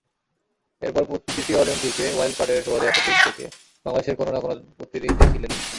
এরপর প্রতিটি অলিম্পিকে ওয়াইল্ড কার্ডের সুবাদে অ্যাথলেটিকস থেকে বাংলাদেশের কোনো-না-কোনো প্রতিনিধি ছিলেনই।